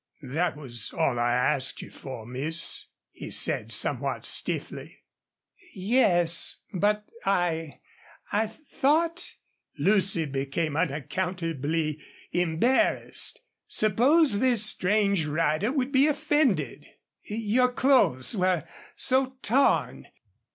"That was all I asked you for, miss," he said, somewhat stiffly. "Yes, but I I thought " Lucy became unaccountably embarrassed. Suppose this strange rider would be offended. "Your clothes were so torn....